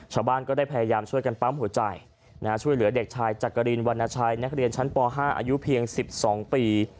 ชาวบ้านก็ได้พยายามช่วยกันปั๊มหัวใจช่วยเหลือเด็กชายจักรินวรรณชัยนักเรียนชั้นป๕อายุเพียง๑๒ปี